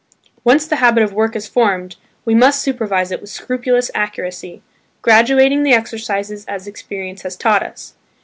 Once the habit of work is formed, we must supervise it with scrupulous accuracy, graduating the exercises as experience has taught us.